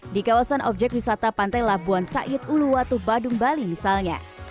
di kawasan objek wisata pantai labuan said uluwatu badung bali misalnya